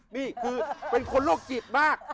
นี่คือเป็นคนโรคจิตมาก